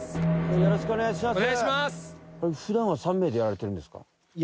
よろしくお願いします。